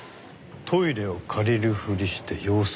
トイレを借りるふりして様子を探る。